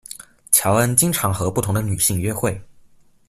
乔恩经常和不同的女性约会。